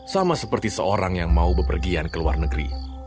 sama seperti seseorang yang mau berpergian ke luar negeri